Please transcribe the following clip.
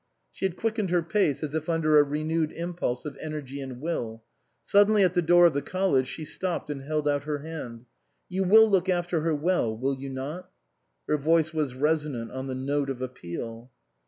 She had quickened her pace as if under a renewed impulse of energy and will. Suddenly at the door of the College she stopped and held out her hand. " You will look after her well, will you not ?" Her voice was resonant on the note of appeal.